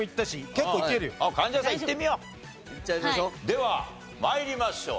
では参りましょう。